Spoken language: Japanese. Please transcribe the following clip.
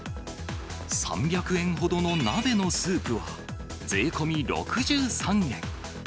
３００円ほどの鍋のスープは、税込み６３円。